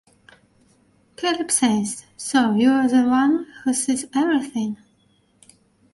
Caleb says So, you're the one who sees everything?